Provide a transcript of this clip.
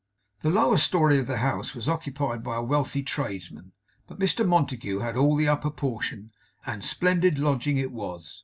The lower story of the house was occupied by a wealthy tradesman, but Mr Montague had all the upper portion, and splendid lodging it was.